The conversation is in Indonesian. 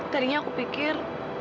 tadinya aku pikir